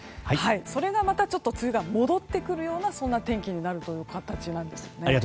それがまたちょっと梅雨が戻ってくるような天気になる形なんですね。